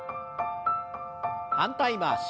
反対回し。